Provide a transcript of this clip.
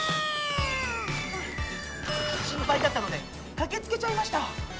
心ぱいだったのでかけつけちゃいました。